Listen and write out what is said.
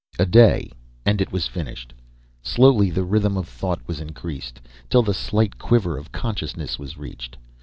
A day and it was finished. Slowly the rhythm of thought was increased, till the slight quiver of consciousness was reached.